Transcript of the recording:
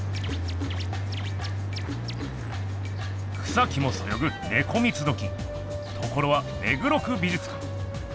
草木もそよぐネコ三つどきところは目黒区美術館。